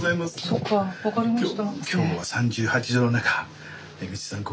そっか分かりました。